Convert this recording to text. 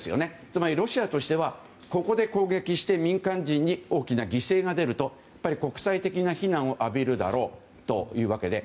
つまりロシアとしてはここで攻撃して民間人に大きな犠牲が出ると国際的な非難を浴びるだろうというわけで